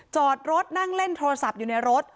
จอดรถนั่งเล่นโทรศัพท์อยู่ในรถ